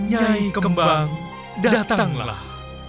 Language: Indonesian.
jaih kembang datanglah